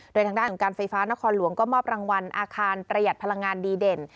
โดยทางด้านของการไฟฟ้านครหลวงก็มอบรางวัลอาคารประหยัดพลังงานดีเด่น